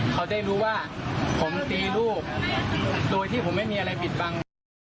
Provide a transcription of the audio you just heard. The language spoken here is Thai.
เขาได้รู้ว่าผมตีลูกโดยที่ผมไม่มีอะไรปิดบัง